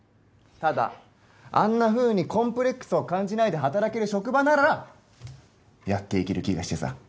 ただあんなふうにコンプレックスを感じないで働ける職場ならやっていける気がしてさ。